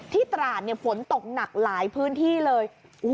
ตราดฝนตกหนักหลายพื้นที่เลย